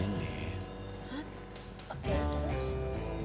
hah oke terus